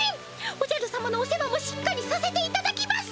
おじゃる様のお世話もしっかりさせていただきます。